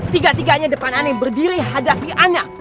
tiga tiganya depan aneh berdiri hadapi anak